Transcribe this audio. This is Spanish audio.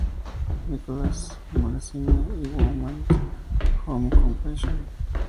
Nicholas Magazine", y "Woman's Home Companion".